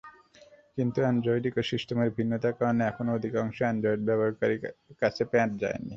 কিন্তু অ্যান্ড্রয়েড ইকোসিস্টেমের ভিন্নতার কারণে এখনো অধিকাংশ অ্যান্ড্রয়েড ব্যবহারকারীর কাছে প্যাঁচ যায়নি।